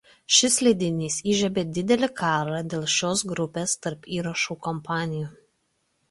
Šis leidinys įžiebė didelį karą dėl šios grupės tarp įrašų kompanijų.